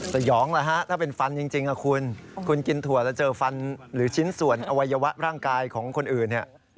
สยองแล้วฮะถ้าเป็นฟันจริงคุณคุณกินถั่วแล้วเจอฟันหรือชิ้นส่วนอวัยวะร่างกายของคนอื่นเนี่ย